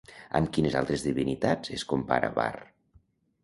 Amb quines altres divinitats es compara Vár?